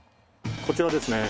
こちらですね。